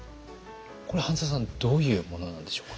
これ半澤さんどういうものなのでしょうか。